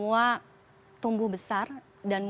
yang jeppe politik terlada diah